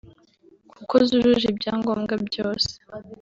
kuko zujuje ibyangombwa byose